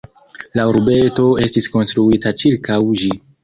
La urbeto estis konstruita ĉirkaŭ ĝi.